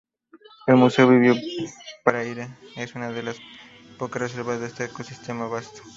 El Museo Vivo Prairie es una de las pocas reservas de este ecosistema vasto.